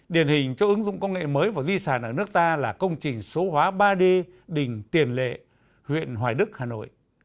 điển hình cho ứng dụng công nghệ mới và di sản ở nước ta là công trình số hóa ba d đình tiền lệ huyện hoài đức hà nội